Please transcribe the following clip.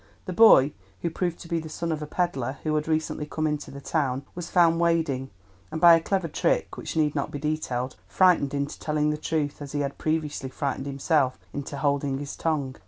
The boy, who proved to be the son of a pedlar who had recently come into the town, was found wading, and by a clever trick, which need not be detailed, frightened into telling the truth, as he had previously frightened himself into holding his tongue.